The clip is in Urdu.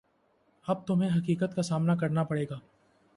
اب تمہیں حقیقت کا سامنا کرنا پڑے گا